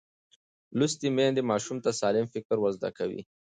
لوستې میندې ماشوم ته سالم فکر ورزده کوي.